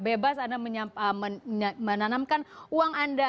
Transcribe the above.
bebas anda menanamkan uang anda